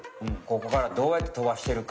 ここからどうやってとばしてるか。